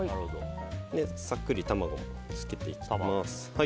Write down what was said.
さっくり卵もつけていきます。